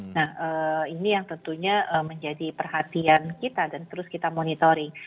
nah ini yang tentunya menjadi perhatian kita dan terus kita monitoring